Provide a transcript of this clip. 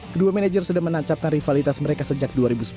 kedua manajer sudah menancapkan rivalitas mereka sejak dua ribu sepuluh